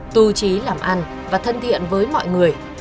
tu trí làm ăn và thân thiện với mọi người